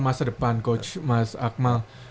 masa depan coach mas akmal